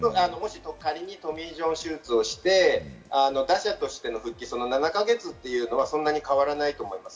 仮にトミー・ジョン手術をして、打者として７か月というのはそんなに変わらないと思います。